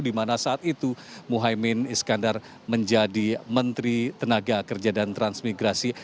dimana saat itu mohaimin skandar menjadi menteri tenaga kerja dan transmigrasi